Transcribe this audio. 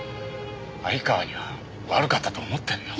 相川には悪かったと思ってるよ。